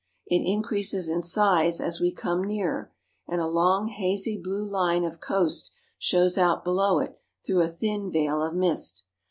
It increases in size as we come nearer, and a long hazy blue line of coast shows out below it through a thin veil of mist.